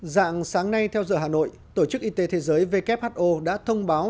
dạng sáng nay theo giờ hà nội tổ chức y tế thế giới who đã thông báo